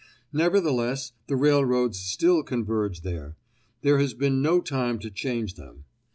Nevertheless, the railroads still converge there; there has been no time to change them.